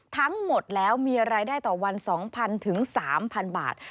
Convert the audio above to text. ทั้งหมดแล้วมีรายได้ต่อวัน๒๐๐๐ถึง๓๐๐บาท